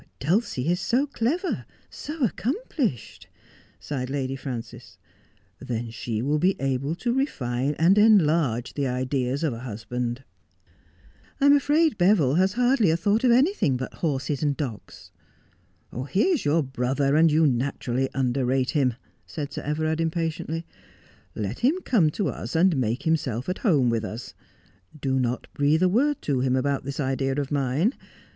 ' Dulcie is so clever, so accomplished,' sighed Lady Frances. 'Then she will be able to refine and enlarge the ideas of a husband.' 'I'm afraid Beville has hardly a thought of anything but horses and do^s.' In Tangley Wood. 215 ' He is your brother, and you naturally underrate him,' said Sir Everard impatiently. ' Let him come to us, and make him self at home with us. Do not breathe a word to him about this idea of mine.